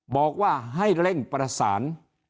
บอกว่าให้เร่งประสาน